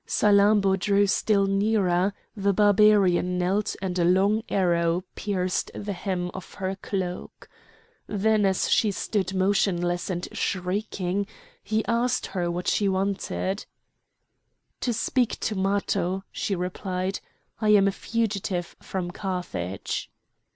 Salammbô drew still nearer; the Barbarian knelt and a long arrow pierced the hem of her cloak. Then as she stood motionless and shrieking, he asked her what she wanted. "To speak to Matho," she replied. "I am a fugitive from Carthage."